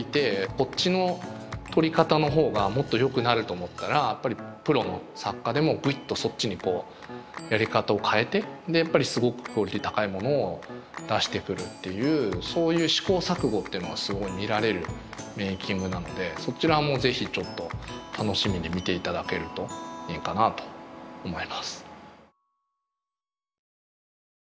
こっちの撮り方の方がもっとよくなると思ったらやっぱりプロの作家でもプイっとそっちにやり方を変えてやっぱりすごくクオリティー高いものを出してくるっていうそういう試行錯誤っていうのはすごい見られるメーキングなのでそちらも是非ちょっと楽しみに見ていただけるといいかなと思います。